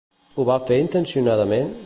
Ho va fer intencionadament?